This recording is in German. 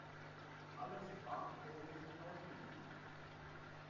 Alle Sprachkurse sind ausgebucht.